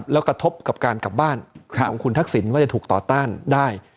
แล้วกระทบกับการกลับบ้านของคุณทักษิณว่าจะถูกต่อต้านได้